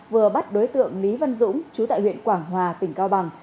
vừa bắt đối tượng lý văn dũng chú tại huyện quảng hòa tỉnh cao bằng